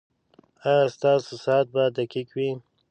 ایا ستاسو ساعت به دقیق وي؟